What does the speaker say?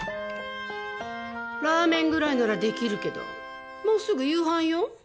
ラーメンぐらいならできるけどもうすぐ夕飯よ。